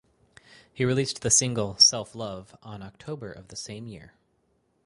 He released the single "Self Love" on October of the same year.